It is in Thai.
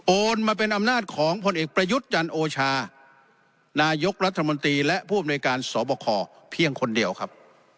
มาเป็นอำนาจของผลเอกประยุทธ์จันโอชานายกรัฐมนตรีและผู้อำนวยการสบคเพียงคนเดียวครับ